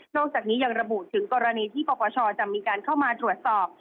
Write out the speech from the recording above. จากนี้ยังระบุถึงกรณีที่ปปชจะมีการเข้ามาตรวจสอบ